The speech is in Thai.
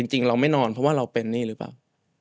จริงเราไม่นอนเพราะว่าเราเป็นนี่หรือเปล่า